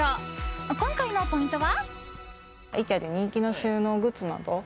今回のポイントは？